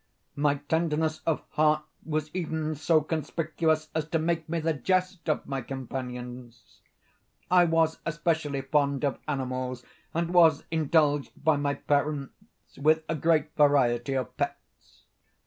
My tenderness of heart was even so conspicuous as to make me the jest of my companions. I was especially fond of animals, and was indulged by my parents with a great variety of pets.